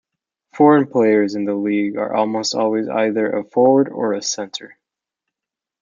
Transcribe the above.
Foreign players in the league are almost always either a forward or center.